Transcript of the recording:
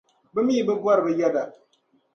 bɛ mi bɛ bɔri bɛ yεda.